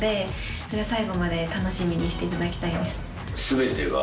それは最後まで楽しみにしていただきたいです。